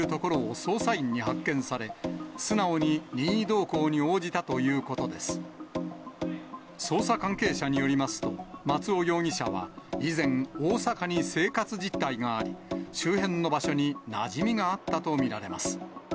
捜査関係者によりますと、松尾容疑者は以前、大阪に生活実態があり、周辺の場所になじみがあったと見られます。